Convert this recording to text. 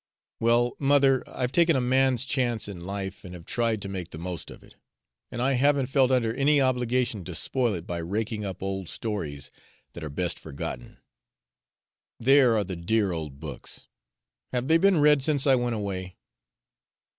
"Well, mother, I've taken a man's chance in life, and have tried to make the most of it; and I haven't felt under any obligation to spoil it by raking up old stories that are best forgotten. There are the dear old books: have they been read since I went away?"